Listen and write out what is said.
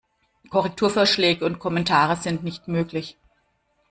Korrekturvorschläge und Kommentare sind nicht möglich.